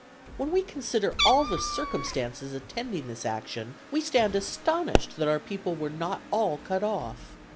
When we consider all the circumstances attending this action, we stand astonished that our people were not all cut off.